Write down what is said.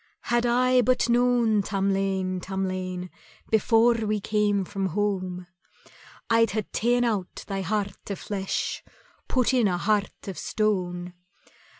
"Had I but known, Tamlane, Tamlane, Before we came from home, I'd hae ta'en out thy heart o' flesh, Put in a heart of stone.